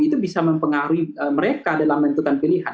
itu bisa mempengaruhi mereka dalam menentukan pilihan